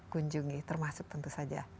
kunjungi termasuk tentu saja